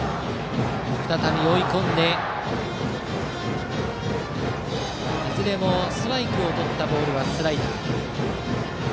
再び追い込んでいずれもストライクをとったボールはスライダー。